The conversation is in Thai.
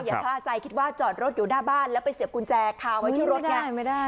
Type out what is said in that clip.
ค่าใจคิดว่าจอดรถอยู่หน้าบ้านแล้วไปเสียบกุญแจคาไว้ที่รถไง